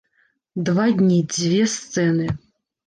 Два дні, дзве сцэны.